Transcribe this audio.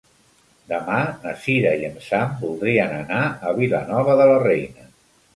Demà na Cira i en Sam voldrien anar a Vilanova de la Reina.